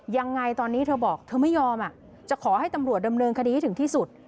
ยังไงตอนนี้เธอบอกเธอไม่ยอมจะขอให้ตำรวจดำเนินคดีให้ถึงที่สุด